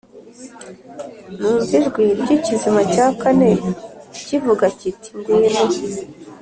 numva ijwi ry’ikizima cya kane kivuga kiti “Ngwino.”